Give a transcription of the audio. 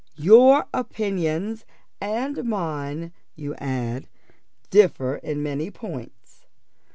Your opinions and mine, you add, differ in many points.